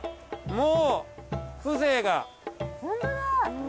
もう風情が。